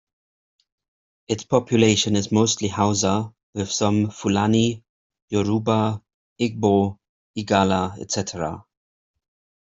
Its population is mostly Hausa with some Fulani, Yoruba, Igbo, Igala etc.